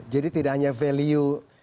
jadi tidak hanya value